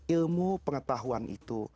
ilmu pengetahuan itu